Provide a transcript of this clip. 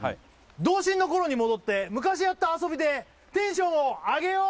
童心の頃に戻って昔やった遊びでテンションを上げよう！